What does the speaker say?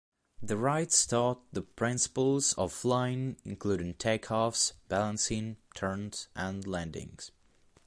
The Wrights taught the principles of flying, including take-offs, balancing, turns, and landings.